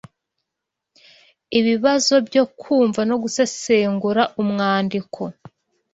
Ibibazo byo kumva no gusesengura umwandiko